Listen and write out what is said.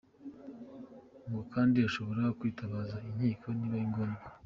Ko kandi ashobora kwitabaza inkiko nibiba ngombwa.